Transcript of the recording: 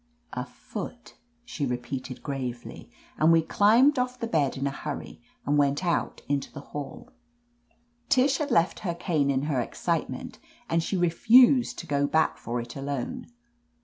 "A foot,'* she repeated gravely, and we climbed off the bed in a huriy and went out into the halL 48 OF. LETITIA CARBERRY Tish had left her cane in her excitement, and she refused to go back for it alone.